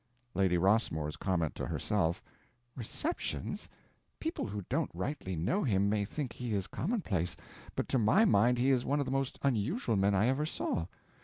Lady Rossmore's comment—to herself: "Receptions! People who don't rightly know him may think he is commonplace, but to my mind he is one of the most unusual men I ever saw.